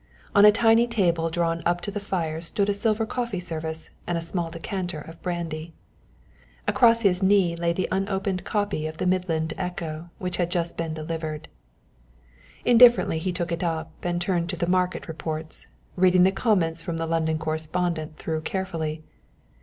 On a tiny table drawn up to the fire stood a silver coffee service and a small decanter of brandy. Across his knee lay the unopened copy of the Midland Echo which had just been delivered. Indifferently he took it up and turned to the market reports, reading the comments from the London correspondent through carefully.